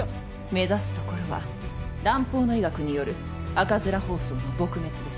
目指すところは蘭方の医学による赤面疱瘡の撲滅です。